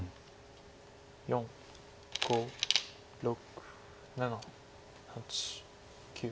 ４５６７８９。